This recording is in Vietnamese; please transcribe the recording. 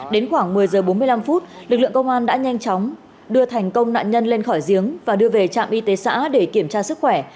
đến khoảng một mươi giờ bốn mươi năm phút lực lượng công an đã nhanh chóng đưa thành công nạn nhân lên khỏi giếng và đưa về trạm y tế xã để kiểm tra sức khỏe